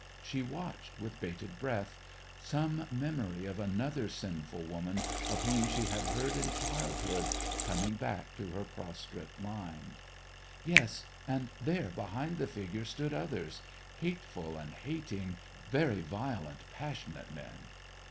She watched with bated breath, some memory of another sinful woman of whom she had heard in childhood coming back to her prostrate mind. Yes, and there behind the figure stood others, hateful and hating, very violent, passionate men.